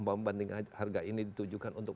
membanding harga ini ditujukan untuk